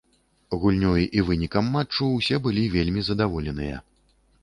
Гульнёй і вынікам матчу ўсе былі вельмі задаволеныя.